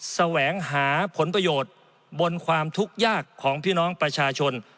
แสวงหาผลประโยชน์บนความทุกข์ยากของพี่น้องประชาชน